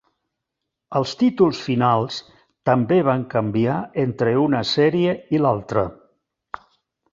Els títols finals també van canviar entre una sèrie i l'altra.